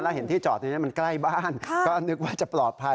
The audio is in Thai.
แล้วเห็นที่จอดตรงนี้มันใกล้บ้านก็นึกว่าจะปลอดภัย